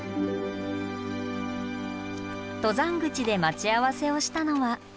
登山口で待ち合わせをしたのは。